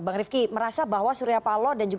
bang rifki merasa bahwa surya paloh dan